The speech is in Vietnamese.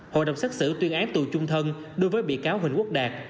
hội đồng xác xử tuyên án tù trung thân đối với bị cáo huỳnh quốc đạt